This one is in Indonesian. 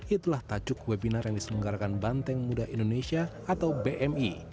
itulah tajuk webinar yang diselenggarakan banteng muda indonesia atau bmi